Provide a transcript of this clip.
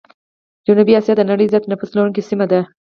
جنوبي آسيا د نړۍ زيات نفوس لرونکي سيمه ده.